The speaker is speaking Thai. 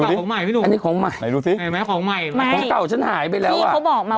ถ้าเป็นรุ่นใหม่เม็ดจะเล็ก